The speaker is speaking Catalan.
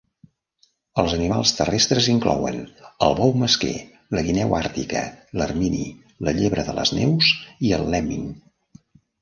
Els animals terrestres inclouen el bou mesquer, la guineu àrtica, l'ermini, la llebre de les neus i el lemming.